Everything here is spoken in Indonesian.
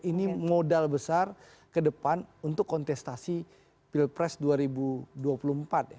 ini modal besar ke depan untuk kontestasi pilpres dua ribu dua puluh empat ya